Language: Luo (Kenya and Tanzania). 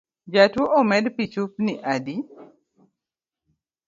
Jatuo omed pi chupni adi